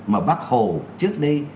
mà bác hồ trước đây